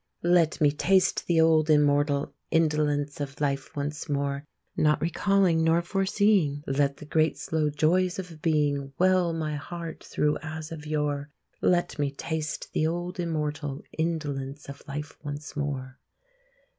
Let me taste the old immortal Indolence of life once more; Not recalling nor foreseeing, Let the great slow joys of being Well my heart through as of yore! Let me taste the old immortal Indolence of life once more!